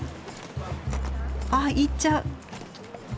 あっ行っちゃう。